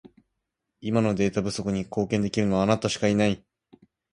今、データの不足に貢献できるのは、あなたしかいない。